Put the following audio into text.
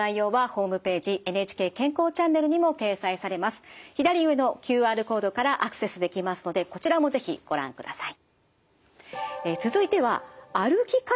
今お伝えしました内容は左上のＱＲコードからアクセスできますのでこちらも是非ご覧ください。